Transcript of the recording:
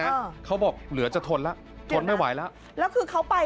เขาบอกเหลือจะทนแล้วทนไม่ไหวแล้วแล้วคือเขาไป